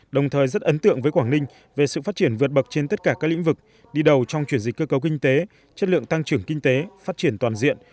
đồng thời rất ấn tượng với quảng ninh về sự phát triển vượt bậc trên tất cả các lĩnh vực đi đầu trong chuyển dịch cơ cấu kinh tế chất lượng tăng trưởng kinh tế phát triển toàn diện